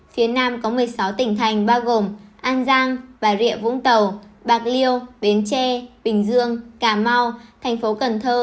phía nam có một mươi sáu tỉnh thành bao gồm an giang bà rịa vũng tàu bạc liêu bến tre bình dương cà mau tp cn